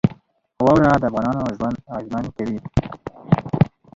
واوره د افغانانو ژوند اغېزمن کوي.